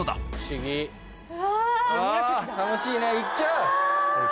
楽しいね行っちゃう？うわ！